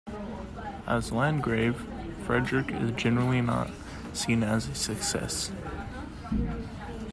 As Landgrave, Frederick is generally not seen as a success.